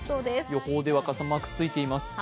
予報では傘マークついています。